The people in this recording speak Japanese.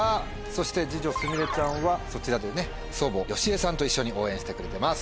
そして二女すみれちゃんはそちらでね祖母・良江さんと一緒に応援してくれてます。